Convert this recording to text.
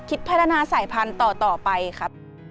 คิดพัฒนาสายพันธุ์ต่อไปค่ะ